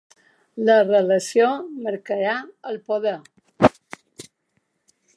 La relació marcarà el poder.